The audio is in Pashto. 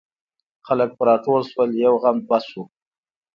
خلک پر راټول شول یو غم دوه شو.